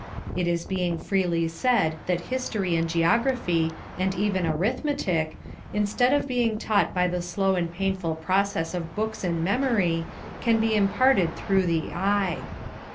It is being freely said that history and geography, and even arithmetic, instead of being taught by the slow and painful process of books and memory, can be imparted through the eye.